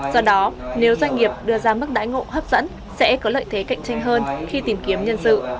do đó nếu doanh nghiệp đưa ra mức đãi ngộ hấp dẫn sẽ có lợi thế cạnh tranh hơn khi tìm kiếm nhân sự